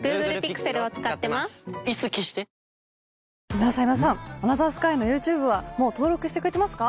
今田さん今田さん『アナザースカイ』のＹｏｕＴｕｂｅはもう登録してくれてますか？